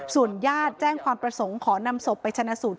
ส่วนญาติแจ้งความประสงค์ขอนำศพไปชนะสูตร